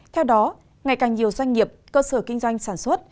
theo đó ngày càng nhiều doanh nghiệp cơ sở kinh doanh sản xuất